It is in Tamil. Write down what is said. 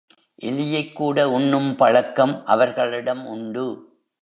எலியைக் கூட உண்ணும் பழக்கம் அவர்களிடம் உண்டு.